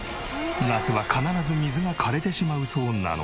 夏は必ず水が枯れてしまうそうなので。